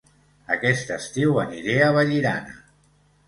Aquest estiu aniré a Vallirana